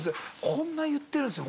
こんな言ってるんですよ。